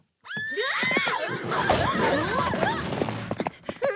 うわっ！